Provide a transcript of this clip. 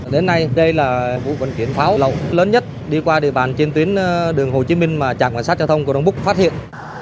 đến nay đây là vụ vận chuyển pháo lậu lớn nhất đi qua địa bàn trên tuyến đường hồ chí minh mà trạm cảnh sát giao thông cổ đông búc phát hiện